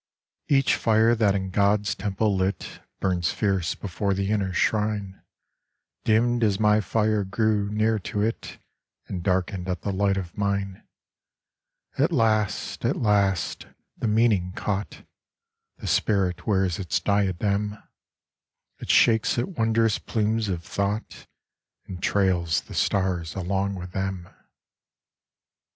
Each Jire that in God's temple lit Burns Jierce before the inner shrine, Dimmed as my Jire grew near to it And darkened at the light of mine. At last, at last, the meaning caught The spirit 'wears its diadem ;// shakes its wondrous plumes of thought And trails the stars along with them.